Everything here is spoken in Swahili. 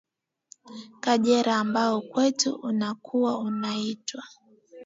kajera ambao kwetu unakuwa unaitwa